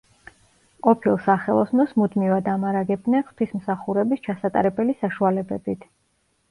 ყოფილ სახელოსნოს მუდმივად ამარაგებდნენ ღვთისმსახურების ჩასატარებელი საშუალებებით.